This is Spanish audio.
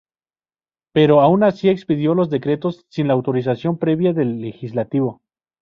Pero, aun así, expidió los decretos sin la autorización previa del Legislativo.